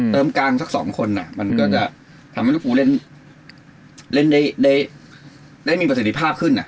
กลางสัก๒คนมันก็จะทำให้ลิฟูเล่นได้มีประสิทธิภาพขึ้น